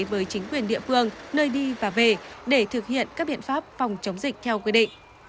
với chính quyền địa phương nơi đi và về để thực hiện các biện pháp phòng chống dịch theo quy định